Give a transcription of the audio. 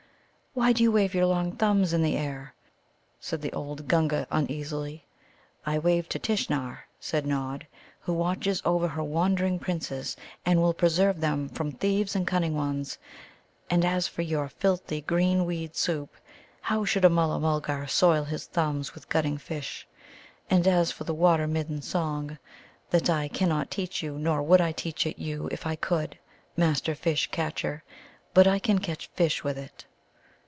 "Why do you wave your long thumbs in the air?" said the old Gunga uneasily. "I wave to Tishnar," said Nod, "who watches over her wandering Princes, and will preserve them from thieves and cunning ones. And as for your filthy green weed soup, how should a Mulla mulgar soil his thumbs with gutting fish? And as for the Water middens' song, that I cannot teach you, nor would I teach it you if I could, Master Fish catcher. But I can catch fish with it."